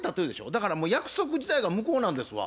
だからもう約束自体が無効なんですわ。